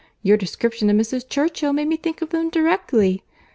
Your description of Mrs. Churchill made me think of them directly.